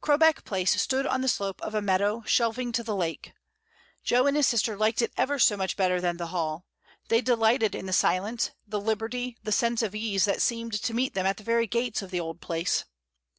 Crowbeck Place stood on the slope of a meadow shelving to the lake. Jo and his sister liked it ever so much better than the Hall; they delighted in the silence, the liberty, the sense of ease that seemed to meet them at the very gates of the old Place.